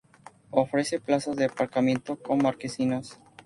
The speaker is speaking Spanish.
Ofrece plazas de aparcamiento con marquesinas.